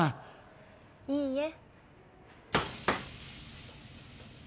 いいえ。